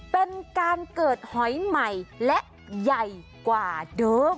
เป็นการเกิดหอยใหม่และใหญ่กว่าเดิม